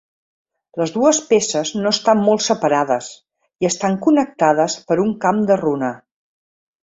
Les dues peces no estan molt separades i estan connectades per un camp de runa.